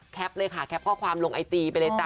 เลยค่ะแคปข้อความลงไอจีไปเลยจ้